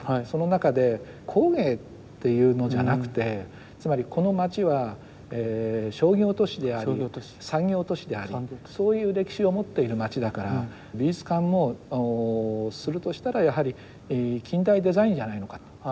その中で工芸というのじゃなくてつまりこの町は商業都市であり産業都市でありそういう歴史を持っている町だから美術館もするとしたらやはり近代デザインじゃないのかと。